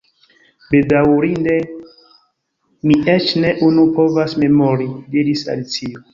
"Bedaŭrinde, mi eĉ ne unu povas memori," diris Alicio.